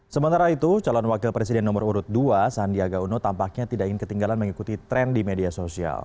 sementara itu calon wakil presiden nomor urut dua sandiaga uno tampaknya tidak ingin ketinggalan mengikuti tren di media sosial